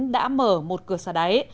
đã mở một cửa xà đáy